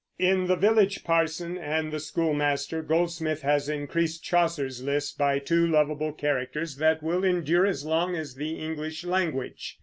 In the village parson and the schoolmaster, Goldsmith has increased Chaucer's list by two lovable characters that will endure as long as the English language.